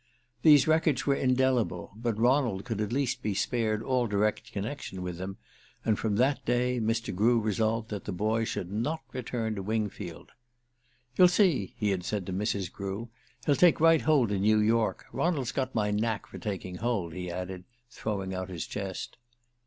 These records were indelible, but Ronald could at least be spared all direct connection with them; and from that day Mr. Grew resolved that the boy should not return to Wingfield. "You'll see," he had said to Mrs. Grew, "he'll take right hold in New York. Ronald's got my knack for taking hold," he added, throwing out his chest.